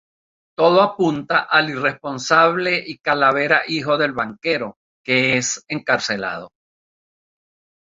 Todo apunta al irresponsable y calavera hijo del banquero, que es encarcelado.